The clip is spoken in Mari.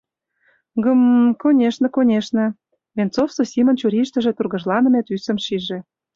Гм-м, конешне, конешне, — Венцов Зосимын чурийыштыже тургыжланыме тӱсым шиже.